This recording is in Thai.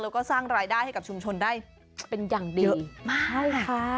แล้วก็สร้างรายได้ให้กับชุมชนได้เยอะมาก